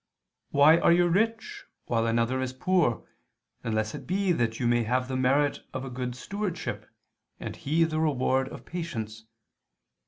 Why are you rich while another is poor, unless it be that you may have the merit of a good stewardship, and he the reward of patience?